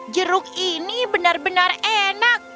jeruk ini benar benar enak